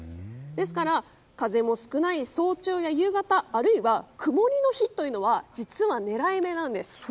ですから、風も少ない早朝や夕方あるいは曇りの日というのは実は狙い目なんです。